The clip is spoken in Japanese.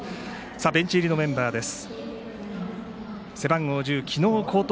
ベンチ入りのメンバーです。